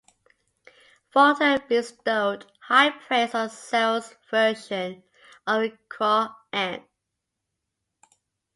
Voltaire bestowed high praise on Sale's version of the Qur'an.